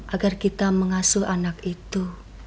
agar kita mengasuh anak itu